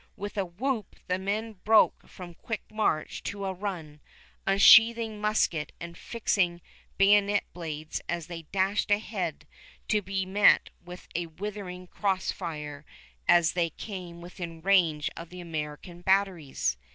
With a whoop the men broke from quick march to a run, unsheathing musket and fixing bayonet blades as they dashed ahead to be met with a withering cross fire as they came within range of the American batteries.